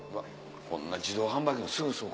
こんな自動販売機のすぐそこ。